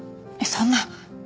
そんな！